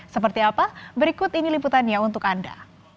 seperti apa berikut ini liputannya untuk anda